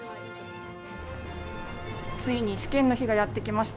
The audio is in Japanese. ついに試験の日がやって来ました。